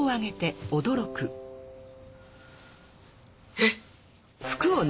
えっ。